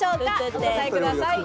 お答えください。